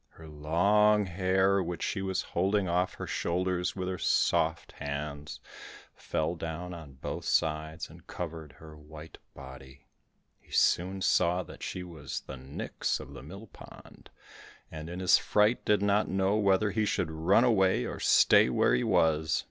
Her long hair, which she was holding off her shoulders with her soft hands, fell down on both sides, and covered her white body. He soon saw that she was the Nix of the Mill pond, and in his fright did not know whether he should run away or stay where he was.